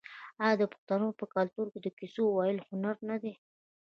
آیا د پښتنو په کلتور کې د کیسو ویل هنر نه دی؟